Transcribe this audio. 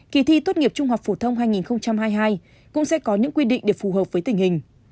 kỳ thi tốt nghiệp trung học phổ thông hai nghìn hai mươi hai cũng sẽ có những quy định để phù hợp với tình hình